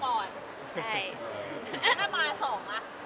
คนเดียวก่อน